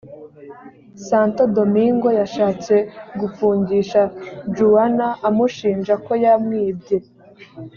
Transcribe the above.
santo domingo yashatse gufungisha juana amushinja ko yamwibye